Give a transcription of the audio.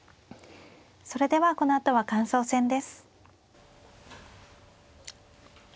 それではこのあとは感想戦です。